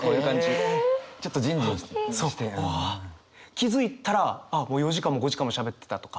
気付いたらあっもう４時間も５時間もしゃべってたとか。